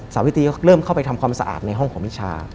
สาวิตรีก็เริ่มเข้าไปทำความสะอาดในห้องของวิชา